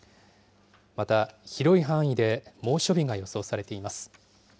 また広い範囲で猛暑日が予想されています。